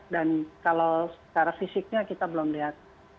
dan kalau secara fisiknya kita belum lihat